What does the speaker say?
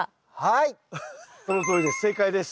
そのとおりです。